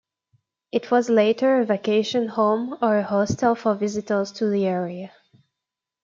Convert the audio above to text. It was later a vacation home or hostel for visitors to the area.